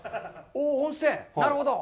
温泉、なるほど。